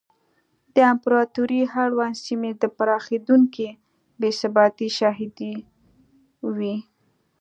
د امپراتورۍ اړونده سیمې د پراخېدونکې بې ثباتۍ شاهدې وې.